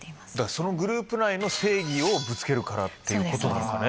そのグループ内の正義をぶつけるからっていうことなのかね。